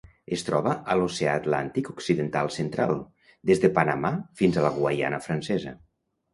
Es troba a l'Oceà Atlàntic occidental central: des de Panamà fins a la Guaiana Francesa.